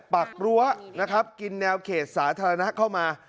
กรั้วนะครับกินแนวเขตสาธารณะเข้ามา